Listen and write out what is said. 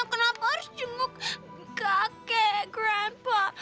nya kenapa harus jenguk kakek grandpa